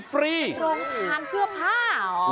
ต้องทานเครือผ้าเหรอ